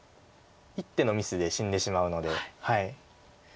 一手のミスで死んでしまうので。